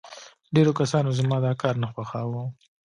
ډېرو کسانو زما دا کار نه خوښاوه